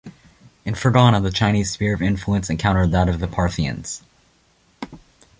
In Ferghana the Chinese sphere of influence encountered that of the Parthians.